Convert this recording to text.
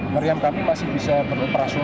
meriam kami pasti bisa beroperasional